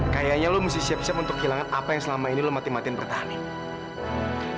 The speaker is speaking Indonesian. kayaknya lo mesti siap siap untuk kehilangan apa yang selama ini lo mati matiin bertahan nih